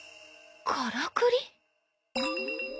からくり？